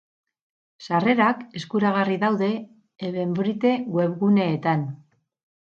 Sarrerak eskuragarri daude evenbrite webguneetan.